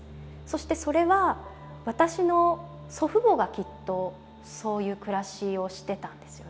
そしてそれは私の祖父母がきっとそういう暮らしをしてたんですよね。